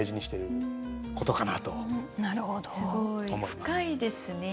深いですね。